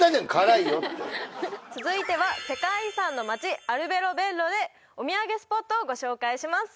続いては世界遺産の街アルベロベッロでお土産スポットをご紹介します